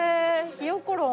ひよころん。